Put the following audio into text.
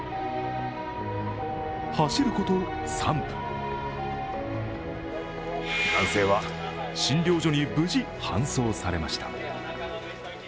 走ること３分、男性は診療所に無事搬送されました。